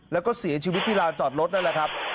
แล้วก็เสียชีวิตที่ลานจอดรถนั่นแหละครับ